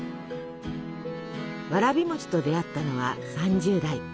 わらび餅と出会ったのは３０代。